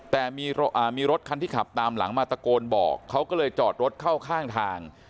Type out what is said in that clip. แต่มีรถคันที่ขับตามหลังมาตะโกนบอกเขาก็เลยจอดรถเข้าข้างทาง